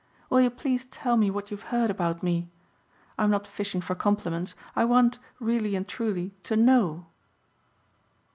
Will you please tell me what you've heard about me. I'm not fishing for compliments. I want, really and truly, to know."